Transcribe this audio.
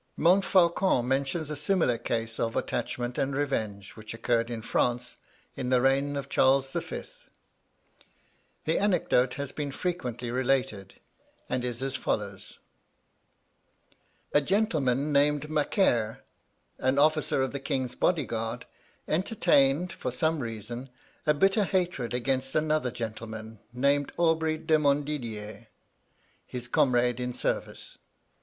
Montfaucon mentions a similar case of attachment and revenge which occurred in France, in the reign of Charles V.[E] The anecdote has been frequently related, and is as follows: A gentleman named Macaire, an officer of the king's body guard, entertained, for some reason, a bitter hatred against another gentleman, named Aubry de Montdidier, his comrade in service.